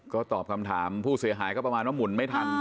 ก็ตอบคำถามผู้เสียหายก็ประมาณว่าหมุนไม่ทัน